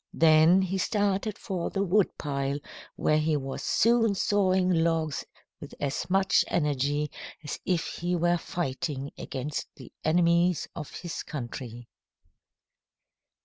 Then he started for the wood pile, where he was soon sawing logs with as much energy as if he were fighting against the enemies of his country.